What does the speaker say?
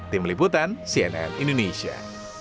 tim liputan cnn indonesia